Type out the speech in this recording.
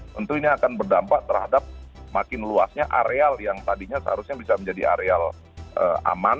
tentu ini akan berdampak terhadap makin luasnya areal yang tadinya seharusnya bisa menjadi areal aman